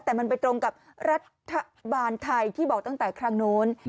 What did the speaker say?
แต่มันไปตรงกับรัฐบาลไทยที่บอกตั้งแต่ครั้งโน้น